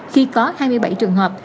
khi có hai mươi bảy trường hợp